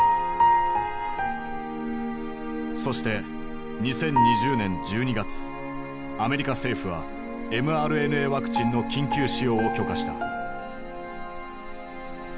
そしてアメリカ政府はｍＲＮＡワクチンの緊急使用を許可した。